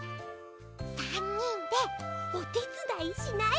３にんでおてつだいしない？